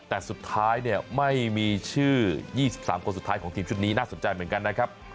แต่สุดท้ายเนี่ยไม่มีชื่อ๒๓คนสุดท้ายของทีมชุดนี้น่าสนใจเหมือนกันนะครับ